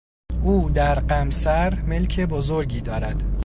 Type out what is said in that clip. او در قمصر ملک بزرگی دارد.